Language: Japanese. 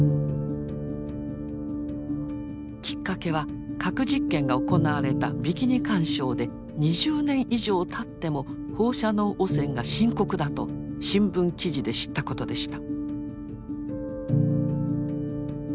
きっかけは核実験が行われたビキニ環礁で２０年以上たっても放射能汚染が深刻だと新聞記事で知ったことでした。